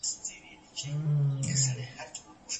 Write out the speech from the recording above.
کليسا ته دننه ازاد بحث نه کيده.